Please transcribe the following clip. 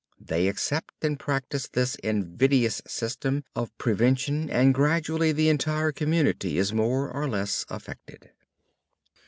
They accept and practice this invidious system of prevention and gradually the entire community is more or less affected.